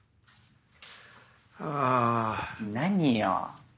あ。何よ。